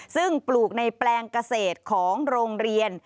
ซึ่งปลูกในแปลงเกษตรของโรงเรียน